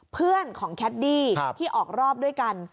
เพื่อนของแคดดี้ที่ออกรอบด้วยกัน